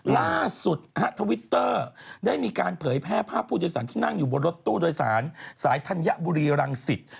ล่าสุดฮะทวิตเตอร์ได้มีการเผยแพร่ภาพผู้โดยสารที่นั่งอยู่บนรถตู้โดยสารสายธัญบุรีรังสิต